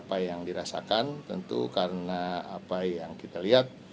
apa yang dirasakan tentu karena apa yang kita lihat